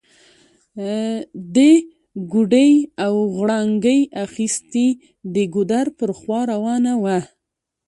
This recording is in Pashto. دې ګوډی او غړانګۍ اخيستي، د ګودر پر خوا روانه وه